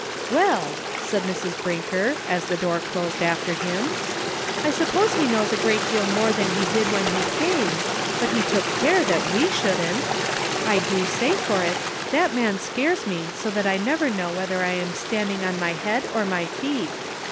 " Well," said Mrs. Brinker, as the door closed after him, " 1 suppose he knows a great deal more than he did when he came, but he took care that we shouldn't! I do say for it, that man scares me so that I never know whether I am standing on my head or my feet.